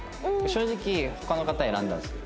正直他の方選んだんですよ。